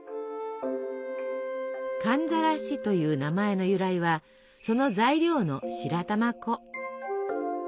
「寒ざらし」という名前の由来はその材料の白玉粉。